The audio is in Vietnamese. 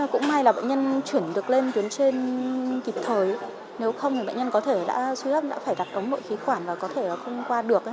cũng may là bệnh nhân chuyển được lên tuyến trên kịp thời nếu không thì bệnh nhân có thể đã suy hô hấp đã phải đặt ống bộ khí quản và có thể nó không qua được